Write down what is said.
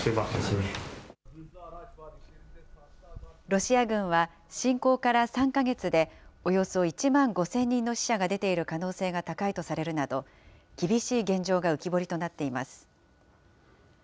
ロシア軍は、侵攻から３か月でおよそ１万５０００人の死者が出ている可能性が高いとされるなど、厳しい現状が浮き彫りとなっています。